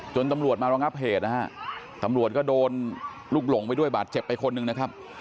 ตำรวจมารองับเหตุนะฮะตำรวจก็โดนลูกหลงไปด้วยบาดเจ็บไปคนหนึ่งนะครับ